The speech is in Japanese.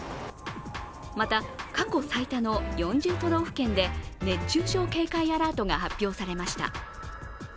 また過去最多の４０都道府県で熱中症警戒アラートが発表されました。